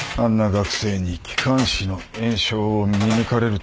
学生に気管支の炎症を見抜かれるとは。